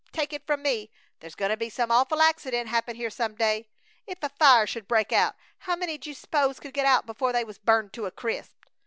Take it from me, there's goin' to be some awful accident happen here some day! If a fire should break out how many d'you s'pose could get out before they was burned to a crisp?